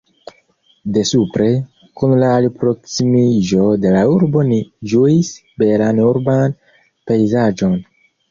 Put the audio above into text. De supre, kun la alproksimiĝo de la urbo ni ĝuis belan urban pejzaĝon.